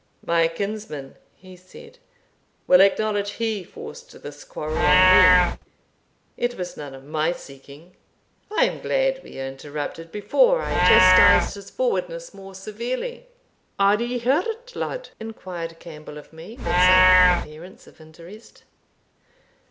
"My kinsman," he said, "will acknowledge he forced this quarrel on me. It was none of my seeking. I am glad we are interrupted before I chastised his forwardness more severely." "Are ye hurt, lad?" inquired Campbell of me, with some appearance of interest.